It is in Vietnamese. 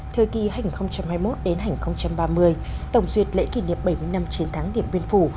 thời kỳ hai nghìn hai mươi một đến hai nghìn ba mươi tổng duyệt lễ kỷ niệm bảy mươi năm chiến thắng điểm biên phủ